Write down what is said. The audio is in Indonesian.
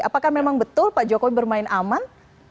apakah memang betul pak jokowi bermain aman